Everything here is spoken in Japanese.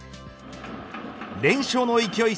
連勝の勢い